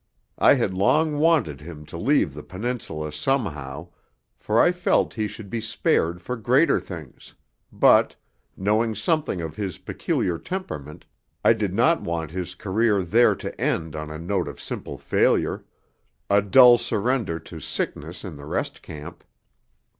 I had long wanted him to leave the Peninsula somehow, for I felt he should be spared for greater things, but, knowing something of his peculiar temperament, I did not want his career there to end on a note of simple failure a dull surrender to sickness in the rest camp.